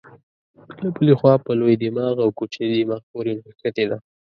له بلې خوا په لوی دماغ او کوچني دماغ پورې نښتې ده.